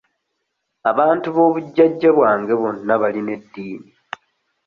Abantu b'obujajja bwange bonna balina eddiini.